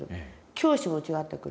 教師も違ってくる。